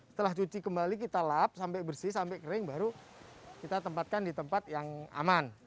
setelah cuci kembali kita lap sampai bersih sampai kering baru kita tempatkan di tempat yang aman